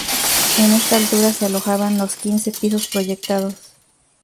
En esta altura se alojaban los quince pisos proyectados.